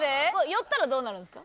酔ったらどうなるんですか？